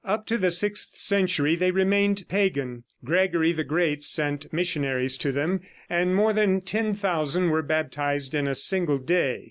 Up to the sixth century they remained pagan. Gregory the Great sent missionaries to them, and more than 10,000 were baptized in a single day.